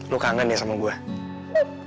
lu kangen ya sama gue